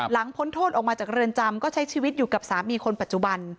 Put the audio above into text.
พ้นโทษออกมาจากเรือนจำก็ใช้ชีวิตอยู่กับสามีคนปัจจุบัน